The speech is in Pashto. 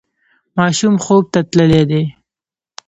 ماشوم خوب ته تللی دی.